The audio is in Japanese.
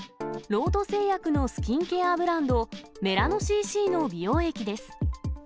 ロート製薬のスキンケアブランド、メラノＣＣの美容液です。